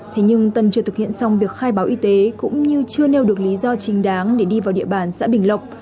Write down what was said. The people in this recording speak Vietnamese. thế nhưng tân chưa thực hiện xong việc khai báo y tế cũng như chưa nêu được lý do chính đáng để đi vào địa bàn xã bình lộc